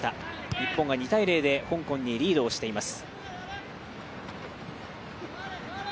日本が２−０で香港にリードしています。